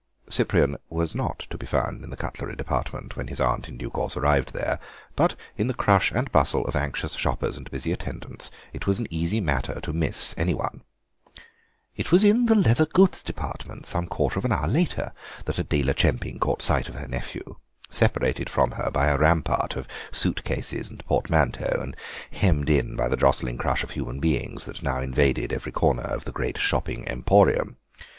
Cyprian was not to be found in the cutlery department when his aunt in due course arrived there, but in the crush and bustle of anxious shoppers and busy attendants it was an easy matter to miss anyone. It was in the leather goods department some quarter of an hour later that Adela Chemping caught sight of her nephew, separated from her by a rampart of suit cases and portmanteaux and hemmed in by the jostling crush of human beings that now invaded every corner of the great shopping emporium.